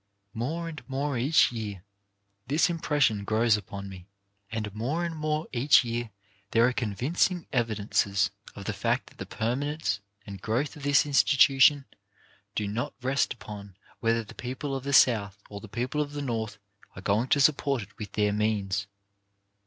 More and more each year this im pression grows upon me, and more and more each WHAT IS TO BE OUR FUTURE ? 167 year there are convincing evidences of the fact that the permanence and growth of this institu tion do not rest upon whether the people of the South or the people of the North are going to support it with their means.